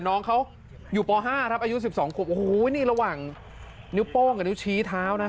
น้องเขาอยู่ป๕ครับอายุ๑๒ขวบโอ้โหนี่ระหว่างนิ้วโป้งกับนิ้วชี้เท้านะ